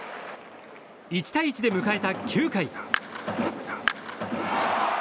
１対１で迎えた９回。